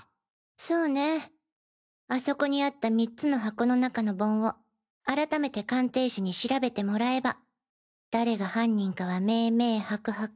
そうねあそこにあった３つの箱の中の盆をあらためて鑑定士に調べてもらえば誰が犯人かは明明白白。